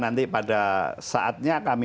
nanti pada saatnya kami